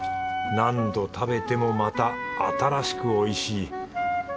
何度食べてもまた新しくおいしい。